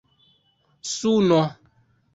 suno